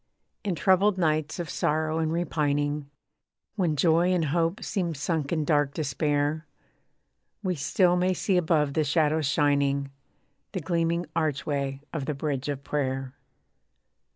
In troubled nights of sorrow and repining, When joy and hope seem sunk in dark despair, We still may see above the shadows shining, The gleaming archway of the bridge of prayer.